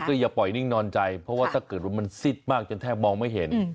ก็อย่าปล่อยนิ่งนอนใจเพราะว่าถ้าเกิดว่ามันซิดมากจนแทบมองไม่เห็น